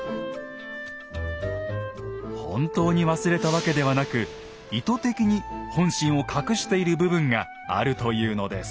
本当に忘れたわけではなく意図的に本心を隠している部分があるというのです。